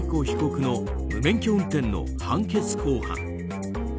被告の無免許運転の判決公判。